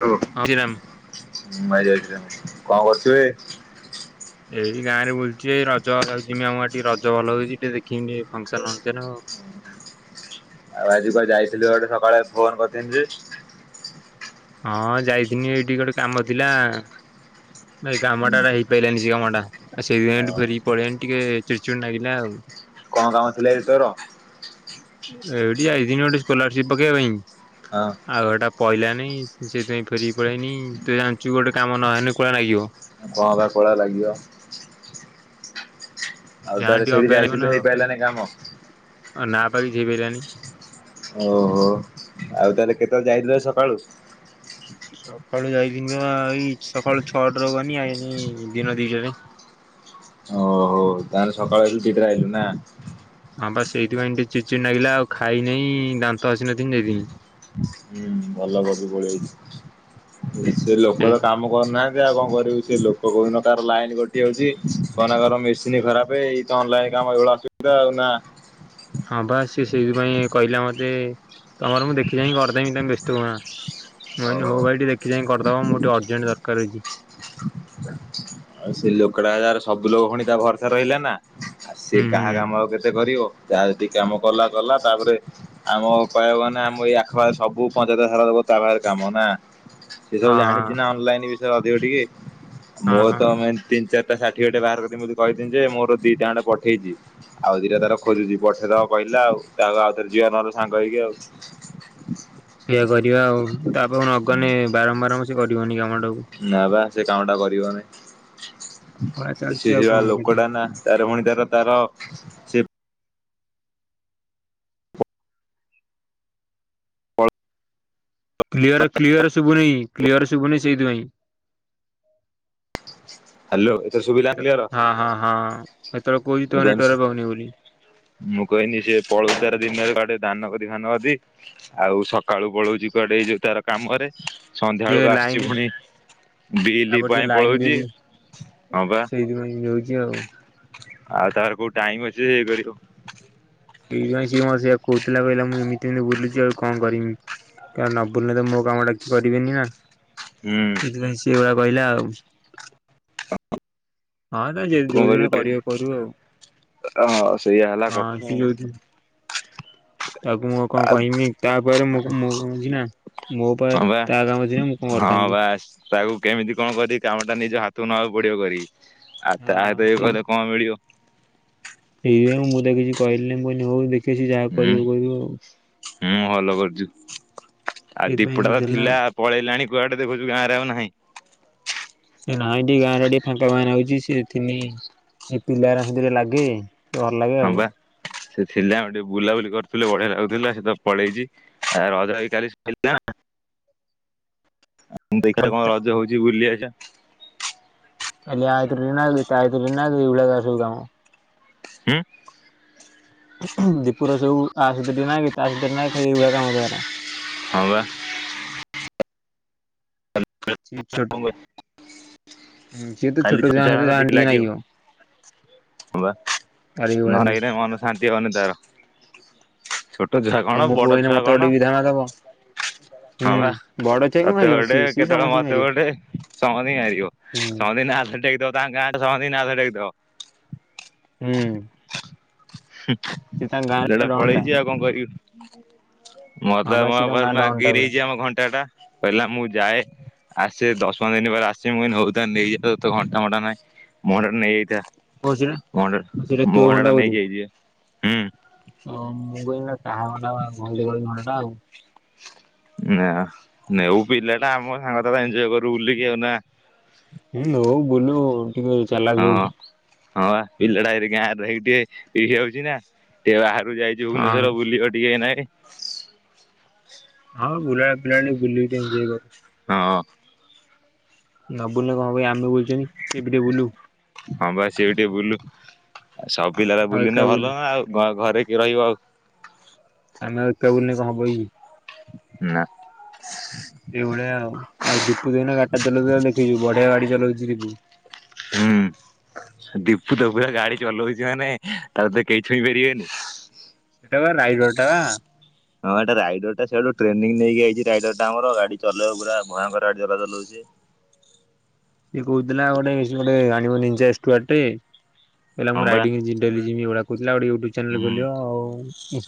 ହଜିରାମ [unintelligible] କଣ କରୁଛୁ? [unintelligible] ଏଇ ଗାଁରେ ବୁଲୁଛି ଏଇ ରଜ ଯାଉଛି ଜିମି ଆମ ଆଡେ ରଜ ଭଲ ହଉଛି ଟିକେ ଦେଖିମି ଟ ଫଙ୍କ ସନ ଫଙ୍କସନ ଆଉ ଆଉ ଆଜି କ ଯାଇଥିଲୁ ଗୋଟେ ସକାଳେ ଫୋନ କରିଥିଲି ଯେ ହଁ ଯାଇଥିନି ଏଇଠି ଗୋଟେ କାମ ଥିଲା। କାମ ହୁଁ ଟାଟା ହେଇ ପାରିଲାନି। [inaudible] ସେଇଦିନଠୁଁ ଫେରିକି ପଳେଇଆଣି ଟିକେ ଚିଡ଼ ଚିଡ଼ ଲାଗିଲା ଆଉ। କଣ କାମ ଥିଲେ ଯେ ତୋର? ଏଇଠି ଯାଈଥିନି ଦିନି ଗୋଟେ ସ୍କଲାରସିପ ପକେଇବା ପାଇଁ। ହଁ ଆଉ ଗୋଟା ପଇଲାନି ସେଥିପାଇଁ ଫେରିକି ପଳେଇଆଇନି ତୁ ଜାଣିଛୁ ଗୋଟେ କାମ ନହେଲେ କୋଉଳା ନାଗିବ। କହଁବା କଉଳା ଲାଗିବ। ଆଉ ଯାହାହେଲେ ତାହେଲେ ଟିକେ ସେଇଠି ଅବାଗିଆ ଲାଗିବ ନା ଯାଇଥିଲୁ ହେଇପାରିଲାନି କାମ? ନା ପା କିଛି ହେଇପାରିଲାନି। ଓହୋ ଆଉ ତାହେଲେ କେତେବେଳେ ଯାଇଥିଲ ଆଜି ସକାଳୁ ସକାଳୁ ଯାଇିନି ବା ଏଇ ସକାଳୁ ଛଅଟା ରୁ ଗନି ଆଇନି ଦିନ ଦିଇଟାରେ ହଉ ତାହେଲେ ସକାଳୁ ହେଲୁ ଦିଇଟା ଆଇିଲୁ ନା? ହଁ ବା ସେଇଥିପାଇଁ ଟିକେ ଚିଡି ଚିଡ଼ି ନାଗିଲା ଆଉ ଖାଇନହିଁ ଦାନ୍ତ ଘସିନଥିନି ଯାଇଥିନି। ହୁଁ ଭଲ କରିଚୁ ପଳେଇ ଆଇଚୁ। ସେ ଲୋକର ସେଇ କାମ କରୁନାହାନ୍ତି। ଆଉ କଣ କରିବୁ ସେ ଲୋକ କହୁନ ତାର ଲାଇନ କଟି ଯାଉଛି କନା କ ମେସିନ ଖରାପ ଏଇତ ଅନଲାଇନ କାମ ଏଇଳି ଅସୁବିଧା ଆଉ ନା ହଁ ବା ସେ ସେଇଥିପାଇଁ କହିଲା ମତେ ତମର ମୁ ଦେଖି ଦେମି କରିଦେମି ତମେ ବ୍ୟସ୍ତ ହୁଅନା। ମୁଁ କହିନି ଓହୋ ହୋଇ ଭାଇ ଟିକେ ଦେଖ କି ଯାଇ କରିଦବ ମୁଁ ଟିକେ ଅର୍ଜେଣ୍ଟ ଦରକାର ଅଛି। ଆଉ ସେ ଲୋକଡା ଯାାର ସବୁ ଲୋକ ଫଣି ତା ଭରସା ରହିଲା ନା। ଆଉ ସିଏ ହୁଁ କାହା ହୁଁ କାମ ଆଉ କେତେ କରିବ? ଯାହା ଟିକେ କାମ କଲା କଲା ତାପରେ ଆମ କହିବାକୁ ଗାନେ ଆମ ଏଇ ଆଖପଖରେ ସବୁ ପଞ୍ଚାୟତ ସାରା ଦେବ ତା ପାଖରେ କାମ ନା? ସେ ସବୁ ହଁ ହଁ ଜାଣିଛି ନା ଅନଲାଇନ ବି ସୋ ଅଧିକ ଟିକେ ହଁ ମୋର ହଁ ତମେ ତିନ ଚାର ଷାଠିଏଟେ ବାହାର [unintelligible] କହିଛି ଯେ ମୋର ଦିଟା ଖଣ୍ଡେ ପଠେଇଛି ଆଉ ଦିଟା ତାର ଖୋଜୁଛି ପଠେଇଦବା କହିଲା ଆଉ ତାକୁ ଆଉ ଥରେ ଯିବା ନହେଲେ ସାଙ୍ଗ ହେଇକି ଆଉ। ସେଇଆ କରିବା ଆଉ ତାପରେ ନଗନେ ବାରମ୍ବାର ଆମ ସେ କରିବନି କାମ। ନା ବା ସେ କାମ ଟା କରିବନି ଏଭଳିଆ ଚାଲିଛି ସେ ଯ ଆଉ କଣ ପ୍ରକାର କରିବି ଲୋକଟା ନା ତାର ପୁଣି ତାର ତାର ସେ କ୍ଲିୟର କ୍ଲିୟର ଶୁଭୁନି କ୍ଲିୟର ଶୁଭୁନି ସେଇଥିପାଇଁ। ହାଲୋ। ଶୁଭିଲା କ୍ଲିୟର ହଁ ହଁ ହଁ ସେତେବେଳେ କହୁଛି [inaudible] ତୋ ମୁଁ କ ନେଟୱାର୍କ ପାଉନି ବୋଲି। ମୁଁ କଇନି ଯେ ପଳ ତାର ଦିନ [inaudible] ଦାନ କରି ଧାନ ଅଛି ଆଉ ସକାଳୁ ପଳଉଛି କୁଆଡେ ଯୋଉ ତାର କାମ ରେ। ସିଏ ସନ୍ଧ୍ୟାବେଳକୁ ଆସୁଛି ଲାଇନ ପୁଣି ବିଲି ତାପରେ ସେ ପାଇଁ ଲାଇନ ବି ପଳଉଛି। ହଁ ବା ସେଇଥିପାଇଁ ଆଉ ହଉଛି ଆଉ। ତାର କଉଟା? ନାଇଁ [unintelligible] ଏ କାଇଁ ସେ ମୋତେ କହୁଥିଲା କହିଲା ମୁଁ ଏମିତି ଏମିତି ବୁଲୁଛି ଆଉ କଣ କରିବି କାରଣ ନ ବୁଲିଲେ ତ ମୋ କାମଟା କିଏ କରିବେନି ନା। ହୁଁ ଏଥିପାଇଁ ସେଇ ଭଲିଆ କହିଲା ଆଉ। [inaudible] ହଁ ତ ଯେ [unintelligible] ଯୋଉ ଦିନ କରିବ କରୁ ଆଉ ହଁ ସେଇୟା ହେଲା ହଁ ସିଏ କଥା ଯୋଉ ଦିନ ତାକୁ ମୁଁ କଣ ଆଉ କହମି ତା ଉପରେ ମୁ ମୁଁ କଣଛି ନା ମୋ ହଁ ବା ତା କାମ ଥିଲେନ ମୁଁ କଣ ହଁ କରିଥାନ୍ତି। ବା ତାକୁ କେମିତି କଣ କରିକି କାମ ଟା ନିଜ ହାତକୁ ନେବାକୁ ପଡିବ କରି। ଆଉ ତା ହଁ ସେଇ [unintelligible] କଣ ମିଳିବ? ସେଇଥିପାଇଁ ମୁଁ ତାକୁ କିଛି କହିଲିନି ମୁଁ କହିଲି ହଉ ଦେ ହୁଁ ହୁଁ ଭଲ କରୁଛୁ ଆଉ ସେଇଥିପାଇଁ ଦୀପୁଟା ତ ଏମିତି ହେଲା ଥିଲା ପଳେଇଲାଣି କୁଆଡେ ଦେଖଉଛୁ ଗାଁ ରେ ଆଉ ନାହିଁ। ସେ ନାଇଁ ଟିକେ ଗାଁରେ ଟିକେ ଫାଙ୍କା ଫାଙ୍କା ନାଗୁଛି ସେ ଥିଲେ ଏ ପିଲାଆରା ସାଥିରେ ଲାଗେ। ଟିକେ ଭଲ ଲାଗେ ହଁ ଆଉ। ବା ସେ ଥିଲା ଆଉ ଟିକେ ବୁଲାବୁଲି କରୁଥିଲେ ବଢିଆ ଲାଗୁଥିଲା ସେ ତ ପଳେଇଛି ଆ ରଜ ବି କାଲି ସରିଲା। ଖାଲି ଦେଖିବା କଣ ତା ରଜ ହଉଛି ବୁଲି ଆ ଚା [unintelligible] ଉ ଦୀପୁର ସବୁ ଆ ସାଥିରେ ଟିକେ ନାଗିବି ତା ସାଥିରେ ନାଗିବି ଏଇଭଳିଆ କାମ ତାର। ହଁ ବା। ଛୋଟ ହଁ ସିଏ ତ ଛୋଟ ଛୁଆ ଙ୍କ ସହିତ ଯାହାନେ ଟିକେ ନାଁଗିବ। ହବା। ନ ସବୁ ନାଗିନେ ମନ ଶାନ୍ତି ହବନି ତାର। ଛୋଟ ଛୁଆ ଆଉ କଣ ମୋ ବଡ ପୁଅ ଏଇନେ ଛୁଆ ମତେ କଣ ଗୋଟେ ବିଧାନ ଦବ ହୁଁ ହଁପା ବଡ ଛୁଆକୁ ତତେ ମାରିବ ଗୋଟେ ସିଏ ସିଏ କେତେବେଳେ ସମସ୍ତଙ୍କୁ ମତେ ମାରିବ ଗୋଟେ ସମୟ ହିଁ ହାରିଯିବ। ହୁଁ ସମସ୍ତଙ୍କୁ ହାତ ଟେକିଦବ ତା ଗାଁ ସମାନେ ନାଁ ଧରିକି ଡାକିଦବ ହୁଁ। ସିଏ ତାଙ୍କ ଗାଁର ପିଲାଟା ଡନ୍ ଟା ପଳେଇଚି ଆଉ କଣ କରିବି। [inaudible] ହଁ ମତେ ବା ସିଏ ତାଙ୍କ ଗାଁ ମୋପାଖରେ ଡନ୍ ମାଗି ଟା ପୁରା ନେଇଛି ଆମ ଘଣ୍ଟା ଟା। କହିଲା ମୁଁ ଯାଏ ଆସେ ଦଶ ପନ୍ଦର ଦିନ ପରେ ଆସି ମୁ କହିଲି ହୋଉ ତାହାଲେ ନେଇଯାଏ ତତେ ଘଣ୍ଟା ଘଣ୍ଟା ପାଇଁ ଘଣ୍ଟା ମୋ ଓ ସେଟା ସେଟା ଘଣ୍ଟା ଟା ନେଇକି ଯାଇଚିପା ହୁଁ। ହ ମୁଁ କହିଲି ନା କାହା ଘଣ୍ଡାଟା ଭଲ ଦେଖାଯାଉଚି ଘଣ୍ଡଟା ଆଉ। ନା ନେଉ ପିଲା ଟା ଆମ ସାଙ୍ଗଟା ଏନଜୟ କରୁ ବୁଲିକି ଆଉ ନା। ହୁଁ ନଉ ବୁଲୁ। ହୁଁ ଚାଲାକ ହଉ। ହଁ ହଁ ପା ପିଲାଟା ଏଇଠି ଗାଁରେ ରହିକି ଟିକେ ଇଏ ହଉଛି ନା ଟିକେ ବାହାରକୁ ତୁ ଯାଇଚୁ ହଁ ଭୁବନେଶ୍ୱର ବୁଲିବ ଟିକେ ଏଇନାକେ ଏ ହଁ ବୁଲା ପିଲାଟି ବୁଲିକି ଟିକେ ଏନଜୟ କରୁ। ହଁ ନ ବୁଲିଲେ କଣ ହବକି ଆମେ ବୁଲୁଚନ୍ତି ସେ ବି ଟିକେ ବୁଲୁ। ହଁ ବା ସେ ଟିକେ ବୁଲୁ। ଆଉ ସବୁ ପିଲାରା ଆମେ ଆଉ ଏକା ବୁଲିନେ ବୁଲୁ ଭଲ ନା ଆଉ ଘ ଘରେ କିିଏ ରହିବ ଆଉ? ଆମେ ଆଉ ଏତେ ବୁଲିଲେ କଣ ହବକି? ନାଁ। ଏଇଭଳିଆ ଆଉ, ଆଉ ଦୀପୁ ଜେନା ଗାଡିଟା ଚଳେଇଥିଲାବେଳେ ଦେଖିଛି ବଢିଆ ଗାଡି ଚଲଉଛି ଦୀପୁ। ହୁଁ ଦୀପୁ ତ ପୁରା ଗାଡି ଚଲଉଛି ମାନେ ତାକୁ ତ କେହି ଛୁଇଁ ପାରିବେନି। ହେଟା ପା ରାଇଡରଟା ହଁ ଏଟା ରାଇଡରଟା ସିଆଡୁ ଟ୍ରେନିଂ ନେଇକି ଆଇଛି ରାଇଡରଟା ଆମର ଗାଡି ଚଲେଇବ ପୁରା ଭୟଙ୍କର ଗାଡି ଚଲା ଚଲାଉଛି। ସେଏ କହୁଥିଲା ଗୋଟେ ସେ ଗୋଟେ ଆଣିବ [unintelligible] ଟେ। କହିଲା ହଁ ମୁଁ ବା ରାଇଡିଙ୍ଗ୍ ଯିବି ଡେଲି। [unintelligible] ଚ୍ୟାନେଲ ହୁଁ, ଖୋଲିବ ଆଉ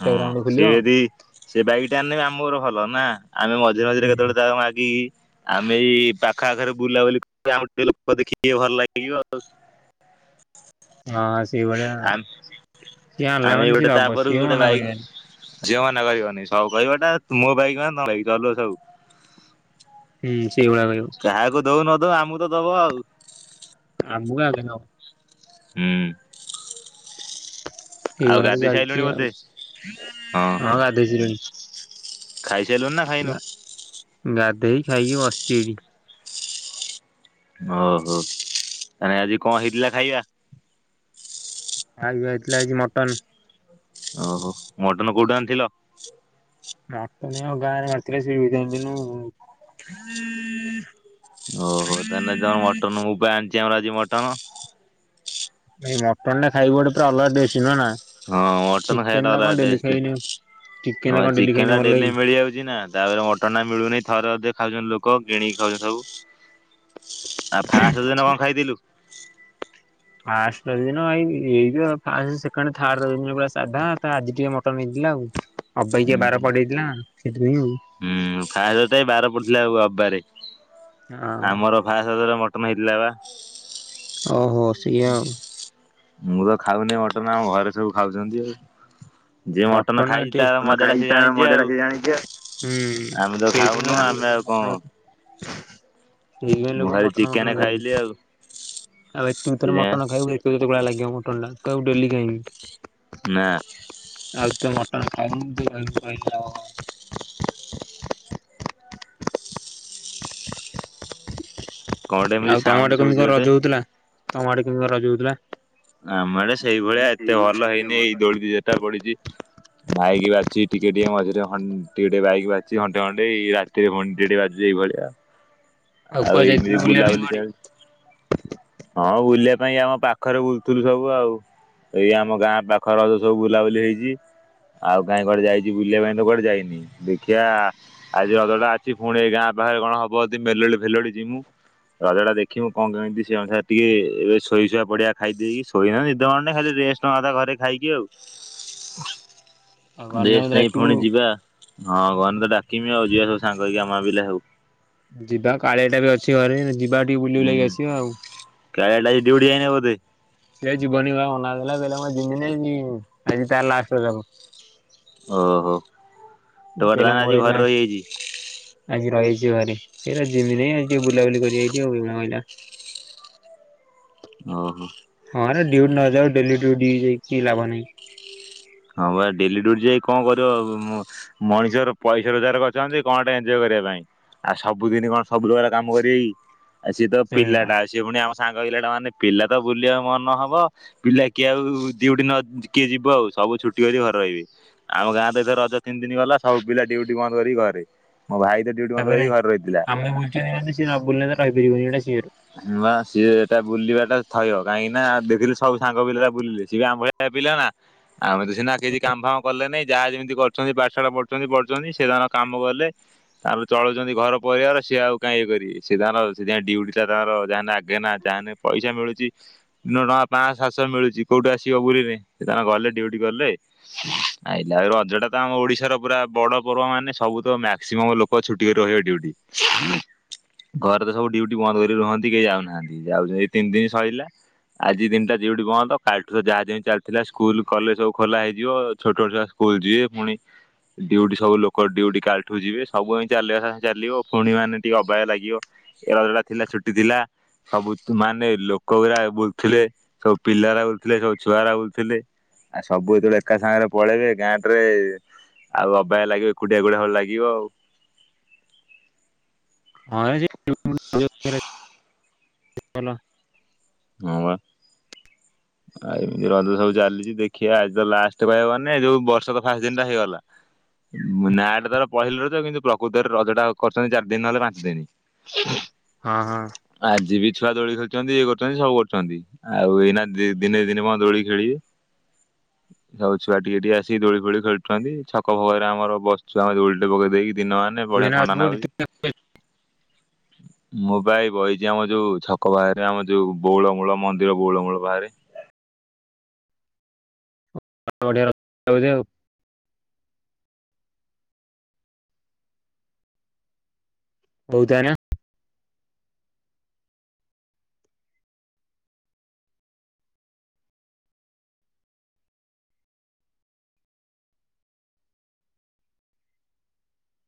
ହୁଁ ଗୋଟେ ସେ ଖୋଲିବ। ହଁ ଯଦି ସେ ବାଇକଟା ଆନିଲେ ବି ଆ ମୋର ଭଲ ନା? ଆମେ ମଝିରେ ମଝିରେ କେତେବେଳେ ତାକୁ ମାଗିକି ଆମେ ଏଇ ପାଖଆଖରେ ବୁଲାବୁଲି କରିବା ଆମକୁ ଟିକେ ଲୋକ ଦେଖିକି ଭଲ ଲାଗିବ ଆଉ। ହଁ ସେଇଭଳିଆ, ସିଏ ଆଣିଲା ଆମେ ମାନେ ସିଏ ଦବ ସିଏ ମନା କରିବନି। ଝିଅମାନେ କହିବନି ସବୁ କହିବ ଏଇଟା ମୋ ବାଇକ ମାନେ ତମ ବାଇକ୍ ଚଲଉଚ ସବୁ। କି ସେଇଭଳିଆ ରହିବ। କାହାକୁ ଦଉ ନ ଦଉ ଆମକୁ ତ ଦବ ଆଉ। ଆମକୁ ଆଗେ ନବ। ହୁଁ। ଆଉ ଏଇଭଳିଆ ତ ଗାଧେଇ ସାଇଲୁଣି ଚାଲିଚି ଆଉ। ବୋଧେ ହଁ ଗାଧେଇ ସାଇଲିଣି। ଖାଇସାଇଲୁଣି ନା ଖାଇନୁ? ଗାଧେଇ ଖାଇକି ବସିଛି ଏଇଠି। ଓହୋ ତାନେ ଆଜି କଣ ହେଇଥିଲା ଖାଇବା? ଆଜି ବା ହେଇଥିଲା ଆଜି ମଟନ୍। ଓହୋ ମଟନ କୋଉଠୁ ଆଣିଥିଲ। ମଟନ୍ ଏଇ ଆମ ଗାଁରେ ମାରିଥିଲା ସେଠୁ ଘିତି ଆଣିଥିନୁ। ଓହୋ ତାନେ ଜଣ ମଟନ୍ ମୁଁ ବା ଆଣି ଯେ ଆମର ଆଜି ମଟନ। ଏଇ ମଟନ୍ ଟା ଖାଇବୁ ଗୋଟେ ପୂରା ଅଲଗା ଟେଷ୍ଟ। ନୁହଁ ନା ହଁ ମଟନ ଚିକେନ ଖାଇବାଟା ଟା କଣ ଅଲଗା ଡେଲି ଟେଷ୍ଟ୍, ଖାଇନୁ ଚିକେନ ହଁ ଟା କଣ ଡେଲି ଖାଇନୁ ଚିକେନଟା ଭଲ ଡେଲି ଲାଗେ। ମିଳିଯାଉଛି ନା ତାପରେ ମଟନଟା ମିଳୁନି ଥରେ ଅଧେ। ଖାଉଛନ୍ତି ଲୋକ କିଣିକି ଖାଉଛନ୍ତି ସବୁ ଆଉ ଫାଷ୍ଟ ଦିନ କଣ ଖାଇଥିଲୁ। ଫାଷ୍ଟ ରଜ ଦିନ ଏଇ ଏଇତ ଫାର୍ଷ୍ଟ ସେକେଣ୍ଡ ଥାର୍ଡ ରଜ ଦିନ ପୂରା ସାଧା ଆଜି ଟିକେ ମଟନ ହେଇଥିଲା ଆଉ। ହୁଁ ଅବାଗିଆ ବାର ପଡିଯାଇଥିଲା। ସେଥିପାଇଁ ହୁଁ ଖାଇବା ତ ଏ ବାର ପଡିଥିଲା ଆଉ ପାରେ। ଆଉ ହଁ ଆମର ଫାଷ୍ଟ ରଜ ଦିନ ମ ମଟନ୍ ଆଇଲା ବା। ଓହୋ ସେଇଆ ଆଉ। ମୁଁ ତ ଖାଉନି ମଟନ ଆମ ଘରେ ସବୁ ଖାଉଛନ୍ତି ଆଉ। ଯିଏ ମଟନ ମଟନ୍ ଖାଇଛି ଏଠି ତାର [unintelligible] ମଜାଟା ସେ ଖାଇଚି ତା ଜାଣିଛି ଆଉ। ମଜାଟା ସିଏ ଜାଣିଚି ପା। ହୁଁ ଆମେ ତ ଖାଉନୁ ଆମେ ଆଉ କଣ ସେଦିନଅ [unintelligible] ମୁଁ ଖାଲି ଚିକେନ ଖାଇଲି ଆଉ। ଆଉ ଏଠୁ ଥରେ ସେଥିପାଇଁ ମଟନ ଖାଇବୁ ଦେଖିବୁ ତତେ କୋଭଳିଆ ଲାଗିବ। [unintelligible] ମଟନ୍ ଟା କଇବୁ ଡେଲି ଖାଇମି। ନା। ଆଉ ଏତେ ମଟନ୍ ଖାଇବୁନୁ [unintelligible] କଣ ଗୋଟେ ଏମିତି ଆଉ ତମ ସାଉଣ୍ଡ ଆଡେ କେମିତି ଶୁଭୁଛି କଣ ଗୋଟେ ରଜ ହଉଥିଲା। ତମ ଆଡେ କେମିତିକା ରଜ ହୋଉଥିଲା? ଆମଆଡେ ସେଇଭଳିଆ ଏତେ ଭଲ ହେଇନି ଏଇ ଦୋଳିି ଦି ଚାରିଟା ପଡିଛି ମାଇକି ବାଜୁଛି ଟିକେ ଟିକେ ମଝିରେ ହନ୍ ଟିକେ ଟିକେ ବାଇକ୍ ବାଜିଛି ଘଣ୍ଟେ ଘଣ୍ଟେ ଏଇ ରାତିରେ ଘଣ୍ଟିଟି ବାଜୁଛି ଏଇଭଳିଆ। ଆଉ କୁଆଡେ ଯାଇଥିଲୁ ଏମିତି ବୁଲିବା ପାଇଁ ବୁଲାବୁଲି କୁଆଡେ? ଚାଲ୍ ହଁ ବୁଲି ସେ ପାଇଁ ଆମ ପାଖରେ ବୁଲୁଥିଲୁ ସବୁ, ଆଉ ଏଇ ଆମ ଗାଁ ପାଖ ରଜ ସବୁ ବୁଲାବୁଲି ହେଇଛି, ଆଉ କାହିଁ କୁଆଡେ ଯାଇଛି ବୁଲିବା ପାଇଁ ତ କୁଆଡେ ଯାଇନି, ଦେଖିଆ ଆଜି ରଜଟା ଅଛି ପୁଣି ଏ ଗାଁ ପାଖରେ କଣ ହବ ଯଦି ମେଲୋଡି ମେଲୋଡି ଯିମି ମୁଁ ରଜଟା ଦେଖିମୁ କଣ କେମିତି ସେ ଅନୁସାରେ ଟିକେ ଏ ଶୋଇଶୁଆ ପଡିଆ ଖାଇ ଦେଇକି ଶୋଇ [unintelligible] ନିଦ ମାଡୁନି ଖାଲି ରେଷ୍ଟ୍ ନେବା କଥା ଘରେ ଖାଇକି ଆଉ। ଆଉ ମାନ୍ୟଙ୍କୁ ରେଷ୍ଟ୍ ନେଇ ଡାକିବୁ ପୁଣି ଯିବା। ହଁ ଗନେ ତ ଡାକିବି ଆଉ ଯିବା ସବୁ ସାଙ୍ଗ ହେଇକି ଆମ ପିଲା ସବୁ। ଯିବା କାଳିଆଟା ବି ଅଛି ଘରେ [inaudible] ଯିବ୍ ହୁଁ କାଳିଆଟା ଆଜି ‌ଡ୍ୟୁଟି ଯାଇନି ବୋଧେ? ସେ ଆଜି ଯିବନି ପା ମନା କଲା କହିଲା ମୁଁ ଆଜି ଯିମିନିକି ଆଜି ତାର ଲାଷ୍ଟ ଜ [inaudible] ଓହୋଃ ତୋର [unintelligible] କହିଲା ମୋର ଆଜି ଘରେ ରହିଯାଇଛି। ଯିବାନି ଏରା ଯିମିନି ଆଜି ଟିକେ ବୁଲାବୁଲି କରିବି ଏଇଠି [unintelligible] ଓହୋଃ। ହଁରେ ଯୋଉଠି ନ ଯାଉ ଡେଲି ଡ୍ୟୁଟି ଯାଇ କି ଲାଭ ନହିଁ। ହଁ ବା ଡେଲି ଡ୍ୟୁଟି ଯାଇ କଣ କରିବ ମଣିଷର ପଇସା ରୋଜଗାର କରୁଛନ୍ତି କଣ ଗୋଟେ ଏଞଜୟ କରିବା ପାଇଁ, ଆଉ ସବୁଦିନ କଣ ସବୁ ପ୍ରକାର କାମ କରିବେ କି? ଆ ସିଏ ତ ସେଇଆ ପିଲାଟା ସିଏ ପୁଣି ଆମ ସାଙ୍ଗ ପିଲାଟା ମାନେ ପିଲା ତ ବୁଲିବା ମନ ହବ ପିଲା କିଏ ଆଉ ଡ୍ୟୁଟି ନ କିଏ ଯିବ ଆଉ? ସବୁ ଛୁଟି କରିକି ଘରେ ରହିବେ, ଆମ ଗାଁ ତ ଏଥର ରଜ ତିନି ଦିନ ଗଲା ସବୁ ପିଲା ଡ୍ୟୁଟି ବନ୍ଦ କରିକି ଘରେ। ମୋ ଭାଇ ତ ଡ୍ୟୁଟି ତା ବନ୍ଦ ପରେ, କରିକି ଘରେ ରହିଥିଲା। ଆମେ ବୁଲୁଛନ୍ତି ମାନେ ସେ ନ ବୁଲିଲେ ତ ରହି ପାରିବନି ଏଟା ସିଓର୍। ବା ସିଏ ଏଟା ବୁଲିବାଟା ଥୟ କାହିଁକି ନା ଦି ଦିନ ସବୁ ସାଙ୍ଗ ପିଲା ଗୁଡ଼ା ବୁଲିଲେ ସିଏ ବି ଆମ ଭଳିଆ ପିଲ ନା। ଆମେ ତ ସିନା କିଛି କାମ ଫାମ କଲେ ନାଇଁ। ଯାହା ଯେମିତି କରୁଛନ୍ତି ପାଠଶାଢା ପଢୁଛନ୍ତି ପଢୁଛନ୍ତି ସେ ତାଙ୍କ କାମ କଲେ ତାପରେ ଚଳୁଛନ୍ତି ଘର ପରିବାର ସିଏ ଆଉ କାଁ ଇଏ କରିକି ସେ ତାର ସେ ଡ୍ୟୁଟି। ତାଙ୍କର ଯାହ ଆଗେ ନା ଯାେ ପଇସା ମିଳୁଛି ତିନ ଟଙ୍କା ପାଞ୍ଚ ସାତଶହ ମିଳୁଛି କୋଉଠି ଆସିବ ବୁଲିଲେ ସେ ତାଙ୍କେ ଗଲେ ଡିଉଟି କଲେ ଆଇିଲା ଆ ରଜ ଟା ତ ଆମ ଓଡିଶାର ପୁରା ବଡ ପର୍ବ ମାନେ ସବୁ ତ ମାକ୍ସିମମ୍ ଲୋକ ଛୁଟି କରି ରହିବେ ଡୁଟି ଘରେ ତ ସବୁ ଡିଉଟି ବନ୍ଦ କରି ରୁହନ୍ତି କେହି ଯାଉନାହାନ୍ତି ଯାଉ ଏଇ ତିନି ଦିନ ସରିଲା ଆଜି ଦିନଟା ଡ୍ୟୁଟି ବନ୍ଦ କାଲିଠୁ ଯାହା ଯେମିତି ଚାଲିଥିଲା ସ୍କୁଲ କଲେଜ ସବୁ ଖୋଲା ହେଇଯିବ ଛୋଟ ଛୋଟ ଛୁଆ ସ୍କୁଲ ଯିବେ ପୁଣି ଡ୍ୟୁଟି ସବୁ ଲୋକ ଡ୍ୟୁଟି କାଲିଠୁ ଯିବେ ସବୁ ଚାଲଙ୍ଗେ ଚାଲିବ ପୁଣି ମାନେ ଟିକେ ଅବାଗିଆ ଲାଗିବ ଏ ଥିଲା ଛୁଟି ଥିଲା ସବୁ ମାନେ ଲୋକ ଗାଡା ବୁଲୁଥିଲେ ସବୁ ପିଲା ବୁଲୁଥିଲେ ସବୁ ଛୁଆ ଗୁଡ଼ା ବୁଲୁଥିଲେ ଆଉ ସବୁ ଯେତେବେଳେ ଏକା ସାଙ୍ଗରେ ପଳେଇବେ ଗାଁ ରେ ଆଉ ଅବାଗିଆ ଲାଗିବ ଏକୁଟିଆ ଏକୁଟିଆ ଭଳି ଲାଗିବ ଆଉ। ହଁ ଯେ [unintelligible] ଟିକଲ। ହଁ ବା ଆଉ ଏମିତି ରଜ ସବୁ ଚାଲିଛି ଦେଖିବା ଆଜି ତ ଲାଷ୍ଟ କହିବାକୁ ଗଲେ ଯୋଉ ବର୍ଷ ତ ଫାଷ୍ଟ ଦିନ ଟା ହେଇଗଲା ନାଁଟା ତାର ପହିଲି ରଜ କିନ୍ତୁ ପ୍ରକୃତରେ ରଜ ଟା କରୁଛନ୍ତି ଚାରି ଦିନ ନହେଲେ ପାଞ୍ଚ ଦିନ। ହଁ ହଁ। ଛୁଆ ଦୋଳି ଖେଳୁଛନ୍ତି ସବୁ କରୁଛନ୍ତି ଆଉ ଏଇନା ଦିନେ ଦି ଦିନ କଣ ଦୋଳି ଖେଳିବେ ସବୁ ଛୁଆ ଟିକେ ଟିକେ ଆସିକି ଦୋଳି ଫୋଳି ଖେଳୁଛନ୍ତି ଛକ ଫକରେ ଆମର ବସୁ ଆମେ ଦୋଳି ଟେ ପକେଇ ଦେଇକି ଦିନ ମାନେ ତୁ ବଢିଆ ଏଇନା ଥଣ୍ଡା ଲାଗୁଛି ମୁଁ ଭାଇ ବହିଛି ଆମ ଯୋଉ ଛକ ବାହାରେ ଆମ ଯୋଉ ବଉଳମୂଳ ମନ୍ଦିର ବଉଳମୂଳ ବାହାରେ। ଆ [unintelligible] ବହୁତ ଆଣିବା।